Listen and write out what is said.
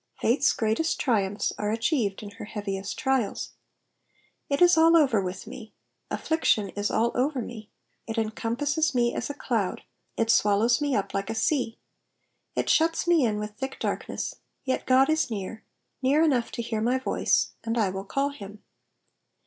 Faith's greatest triumphs are achieved in her heaviest trials. It is all over with me, affliction is all over me ; it encompasses me as a cloud, it swallows me up like a sea, it shuts me in with thick darkness, yet God is near, near enough to hear my voice, and I will call him.